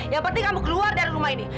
yang penting kamu keluar dari rumah ini